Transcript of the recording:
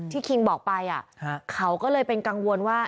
คิงบอกไปเขาก็เลยเป็นกังวลว่า